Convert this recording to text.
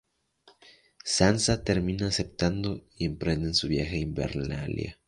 Sansa termina aceptando y emprenden su viaje a Invernalia.